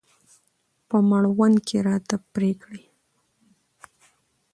په مړوند کې راته پرې کړي.